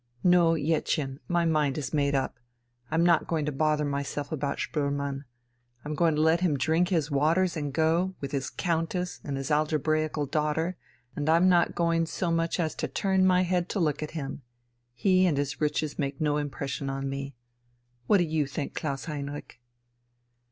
No, Jettchen, my mind is made up. I'm not going to bother myself about Spoelmann. I'm going to let him drink his waters and go, with his countess and his algebraical daughter, and am not going so much as to turn my head to look at him. He and his riches make no impression on me. What do you think, Klaus Heinrich?"